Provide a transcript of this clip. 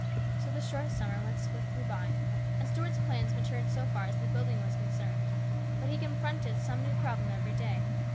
So the short summer went swiftly by, and Stuart's plans matured so far as the building was concerned, but he confronted some new problem every day.